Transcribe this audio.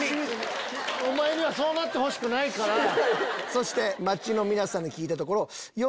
そして街の皆さんに聞いたところ。